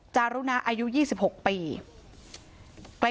จารุณาอายุ๒๖ปี